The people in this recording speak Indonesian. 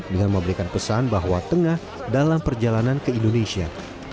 dengan memberikan pesan bahwa tengah dalam perjalanan ke indonesia